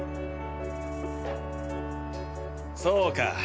そうか。